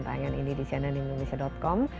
tayangan ini di cnnindonesia com